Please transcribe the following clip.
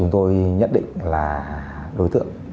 tôi nhận định là đối tượng